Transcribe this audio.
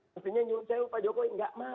maksudnya nyun sewu pak jokowi